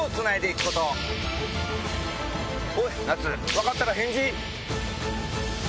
分かったら返事。